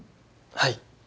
はい。